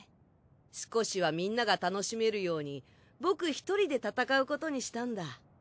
少しはみんなが楽しめるように僕一人で戦うことにしたんだ。